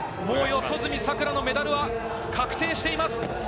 四十住さくらのメダルは確定しています。